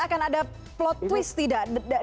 akan ada plot twist tidak